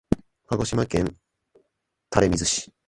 鹿児島県垂水市